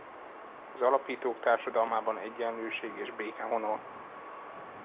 Az Alapítók társadalmában egyenlőség és béke honol.